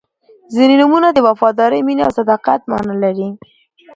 • ځینې نومونه د وفادارۍ، مینې او صداقت معنا لري.